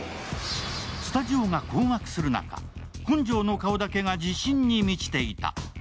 スタジオが困惑する中、本庄の顔だけが自信に満ちていた。